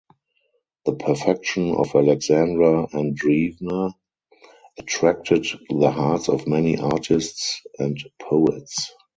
The perfection of Alexandra Andreevna attracted the hearts of many artists and poets.